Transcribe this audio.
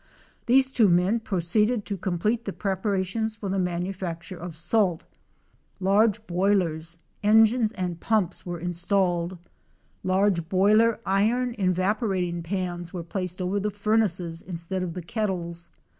These two men proceeded to complete the preparations for the manufacture of salt. Large boilers, engines and pumps were installed. Large boiler iron evaporating pans were placed over the furnaces instead of the kettles.